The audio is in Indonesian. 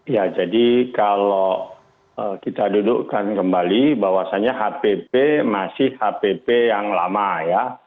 ya jadi kalau kita dudukkan kembali bahwasannya hpp masih hpp yang lama ya